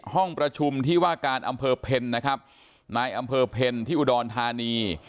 ห้องประชุมที่ว่าการอำเภอเพ็ญนะครับนายอำเภอเพลที่อุดรธานี